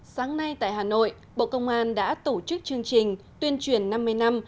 sáng nay tại hà nội bộ công an đã tổ chức chương trình tuyên truyền năm mươi năm